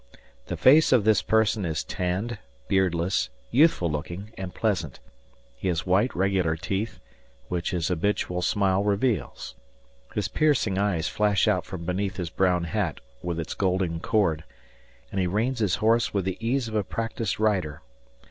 ... The face of this person is tanned, beardless, youthful looking, and pleasant. He has white regular teeth, which his habitual smile reveals. His piercing eyes flash out from beneath his brown hat, with its golden cord; and he reins his horse with the ease of a practised rider.